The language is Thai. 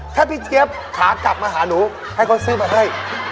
ถ้าพี่เจี๊ยบขากลับมาหาหนูให้เขาซื้อมาให้